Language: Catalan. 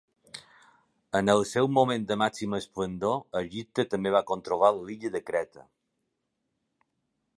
En el seu moment de màxima esplendor, Egipte també va controlar l'illa de Creta.